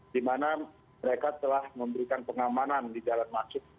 di mana mereka telah memberikan pengamanan di jalan masuk